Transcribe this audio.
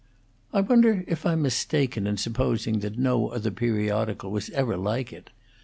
"I wonder if I'm mistaken in supposing that no other periodical was ever like it.